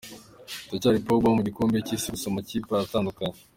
Ndacyari Pogba wo mu gikombe cy’isi gusa amakipe aratandukanye.